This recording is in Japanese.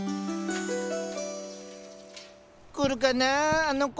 来るかなあの娘。